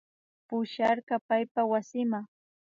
Pusharka paypa wasima